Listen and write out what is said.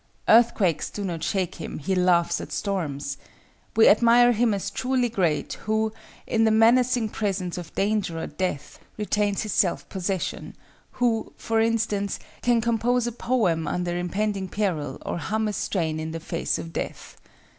Earthquakes do not shake him, he laughs at storms. We admire him as truly great, who, in the menacing presence of danger or death, retains his self possession; who, for instance, can compose a poem under impending peril or hum a strain in the face of death.